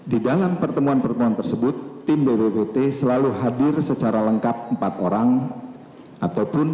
di dalam pertemuan pertemuan tersebut tim bppt selalu hadir secara lengkap empat orang ataupun